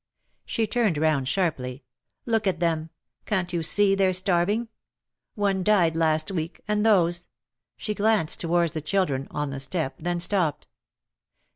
She turned round sharply —'* Look at them, can't you see they're starving .f* — one died last week — and those" — she glanced towards the children on the stoep, then stopped.